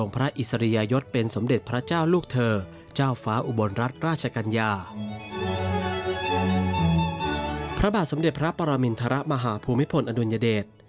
พระบาทสมเด็จพระปรมินทรมาฮภูมิพลอดุลยเดช